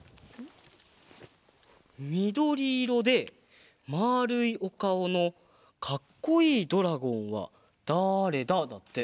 「みどりいろでまあるいおかおのかっこいいドラゴンはだれだ？」だって。